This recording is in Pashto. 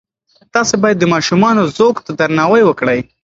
تاسې باید د ماشومانو ذوق ته درناوی وکړئ.